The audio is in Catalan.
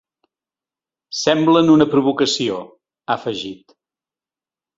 “Semblen una provocació”, ha afegit.